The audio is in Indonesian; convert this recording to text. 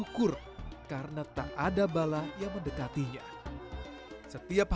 namun sekarang hari ini saat kami nakal saat aku besliri kita lihat air malam di pasar api